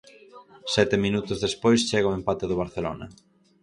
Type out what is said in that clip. Sete minutos despois chega o empate do Barcelona.